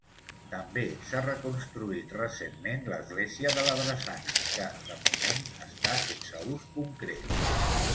També s'ha reconstruït recentment l'església de la drassana que -de moment- està sense ús concret.